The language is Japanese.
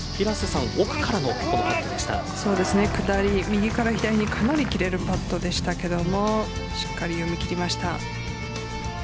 そうですね、下り右から左にかなり切れるパットでしたがしっかり読み切りました。